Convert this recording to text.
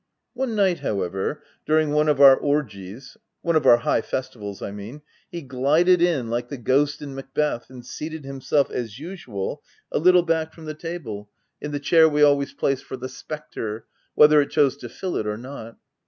(t One night, however, during one of our orgies — one of our high festivals, I mean — he glided in, like the ghost in Macbeth, and seated himself, as usual, a little back from the table, in 46 THE TENANT the chair we always placed for ' the spectre,' whether it chose to fill it or not.